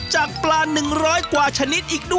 ที่จะผลัดเปลี่ยนหมุนเวี้ยงกันเข้ามาที่ร้าน